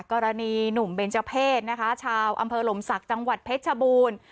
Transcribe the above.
กรณีหนุ่มเบนเจอร์เพศนะคะชาวอำเภอลมศักดิ์จังหวัดเพชรชบูรณ์